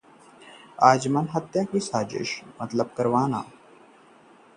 आजम का आरोप, सुरक्षा कम करवाना मतलब मेरी हत्या की साजिश